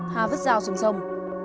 hà vứt rau xuống sông